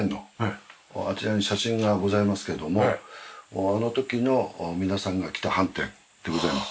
あちらに写真がございますけどもあの時の皆さんが着たはんてんでございます。